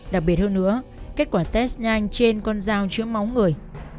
đặc biệt hơn nữa kết quả test nhanh trên con dao chữa máu người